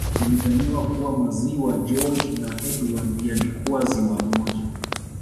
Ilidhaniwa kuwa Maziwa George na Edward yalikuwa ziwa moja